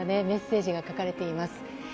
メッセージが書かれています。